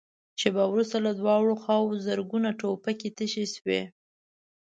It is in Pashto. شېبه وروسته له دواړو خواوو زرګونه ټوپکې تشې شوې.